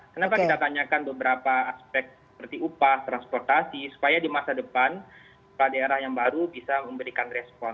kenapa kita tanyakan beberapa aspek seperti upah transportasi supaya di masa depan kepala daerah yang baru bisa memberikan respon